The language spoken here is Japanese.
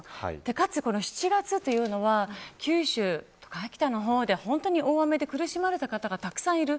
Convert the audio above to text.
かつ、この７月というのは九州とか秋田の方で、大雨で苦しまれた方がたくさんいる。